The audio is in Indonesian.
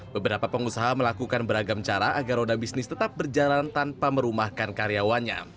beberapa pengusaha melakukan beragam cara agar roda bisnis tetap berjalan tanpa merumahkan karyawannya